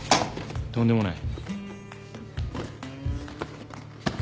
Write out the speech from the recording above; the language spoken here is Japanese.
とんでもない